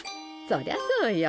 そりゃそうよ。